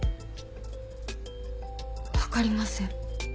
分かりません。